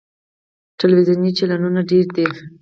ټلویزیوني چینلونه ډیر دي.